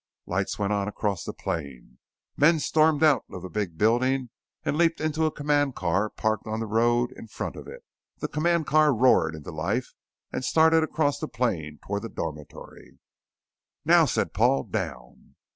Lights went on across the plain, men stormed out of the big building and leaped into a command car parked on the road in front of it. The command car roared into life and started across the plain toward the dormitory. "Now!" said Paul. "Down!"